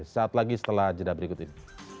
saat lagi setelah jeda berikut ini